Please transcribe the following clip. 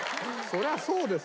そりゃそうです。